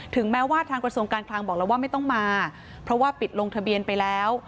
แม้ว่าทางกระทรวงการคลังบอกแล้วว่าไม่ต้องมาเพราะว่าปิดลงทะเบียนไปแล้ว